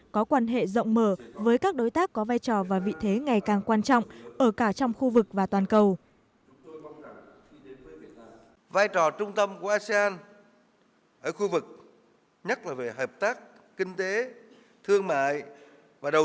có quan hệ rộng mở với các đối tác có vai trò và vị thế ngày càng quan trọng ở cả trong khu vực và toàn cầu